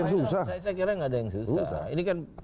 gak ada yang susah